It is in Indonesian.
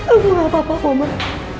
aku gak apa apa homer